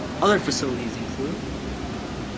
Other Facilities include.